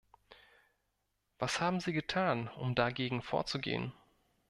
Was haben Sie getan, um dagegen vorzugehen?